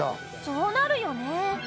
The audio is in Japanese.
そうなるよね